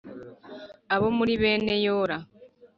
Abo muri bene Yora